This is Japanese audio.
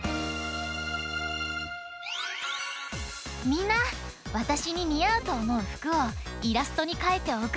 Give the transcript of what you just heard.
みんなわたしににあうとおもうふくをイラストにかいておくってね！